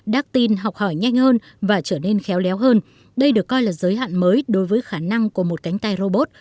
đắc tin học hỏi nhanh hơn và trở nên khéo léo hơn đây được coi là giới hạn mới đối với khả năng của một cánh tay robot